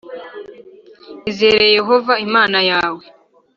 Izere Yehova Imana yawe